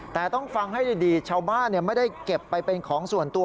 แต่ต้องฟังให้ดีชาวบ้านไม่ได้เก็บไปเป็นของส่วนตัว